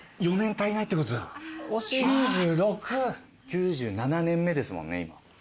９７年目ですもんね。